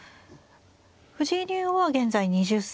藤井竜王は現在２０歳。